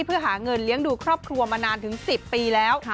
เพื่อหาเงินเลี้ยงดูครอบครัวมานานถึง๑๐ปีแล้ว